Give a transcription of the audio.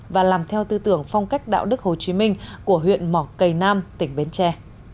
và làm theo tư tưởng phong cách đạo đức hồ chí minh của huyện mỏ cầy nam tỉnh bến tre